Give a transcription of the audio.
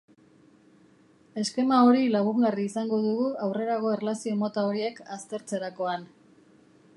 Eskema hori lagungarri izango dugu aurrerago erlazio mota horiek aztertzerakoan.